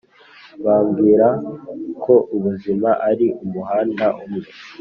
bambwira ko ubuzima ari umuhanda umwe,